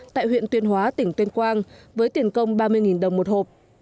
tại huyện tuyên hóa tỉnh tuyên quang với tiền công ba mươi đồng một hộp